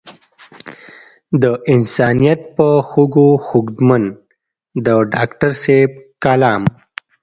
د انسانيت پۀ خوږو خوږمند د ډاکټر صېب کلام